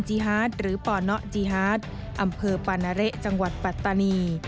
จีฮาสหรือปนจีฮาสอำเภอปาณะเระจังหวัดปัตตานี